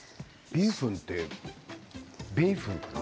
ビーフンってビーフンかな？